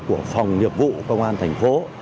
của phòng nghiệp vụ công an thành phố